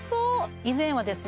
以前はですね